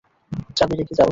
চাবি রেখে যাও।